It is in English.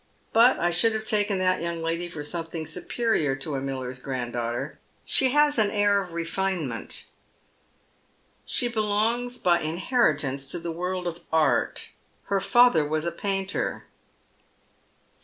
But I should have taken that young lady for something superior to a miller's granddaughter ; she has an air of refinement." " She belongs by inheritance to the world of art. Her father was a painter."